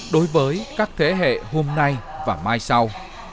đối với các thế hệ hôm nay và mai sau